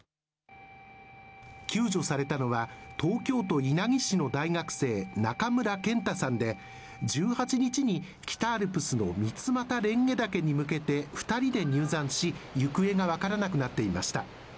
救助されたのは東京都稲城市の大学生、中村健太さんで、１８日に北アルプスの三俣蓮華岳に向けて２人で入山し行方が分からなくなっていました。